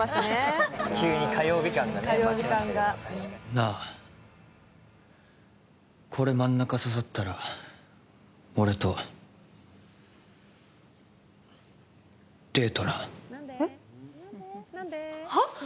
なあ、これ真ん中刺さったら俺とデートな。